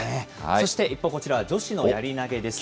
そして一方こちら、女子のやり投げです。